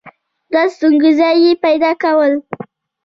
دا ستوګنې ځاے پېدا كول